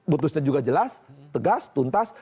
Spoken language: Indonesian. putusnya juga jelas tegas tuntas